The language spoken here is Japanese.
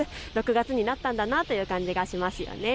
６月になったんだなという感じがします。